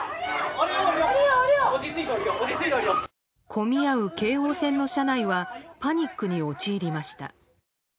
混み合う京王線の車内はパニックに陥りました。